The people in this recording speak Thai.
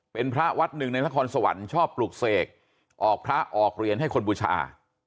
เป็นพระวัดหนึ่งในนครสวรรค์ชอบปลูกเสกออกพระออกเรียนให้คนบูชา